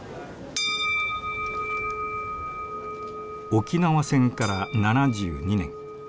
沖縄戦から７２年。